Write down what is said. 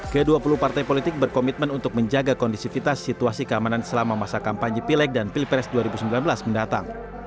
ke dua puluh partai politik berkomitmen untuk menjaga kondisivitas situasi keamanan selama masa kampanye pileg dan pilpres dua ribu sembilan belas mendatang